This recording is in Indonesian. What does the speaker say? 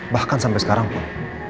bahkan sampai sekarang pun